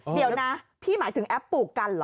เดี๋ยวนะพี่หมายถึงแอปปลูกกันเหรอ